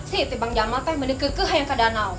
si tebang jamal teh mending kekeh yang ke danau